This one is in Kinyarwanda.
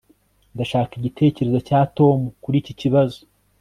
ndashaka igitekerezo cya tom kuri iki kibazo